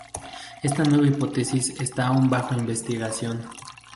Esta nueva hipótesis está aún bajo investigación.